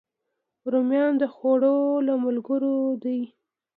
رومیان د خوړو له ملګرو دي